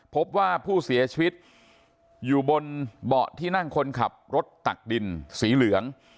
พบว่าผู้เสียชีวิตอยู่บนเบาะที่นั่งคนขับรถตักดินสีเหลือง